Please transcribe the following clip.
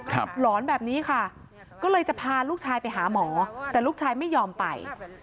หลอนแบบนี้ค่ะก็เลยจะพาลูกชายไปหาหมอแต่ลูกชายไม่ยอมไป